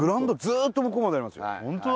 ずーっと向こうまでありますよ